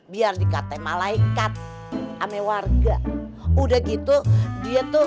biar dikatain malaikat ame warga udah gitu dia tuh so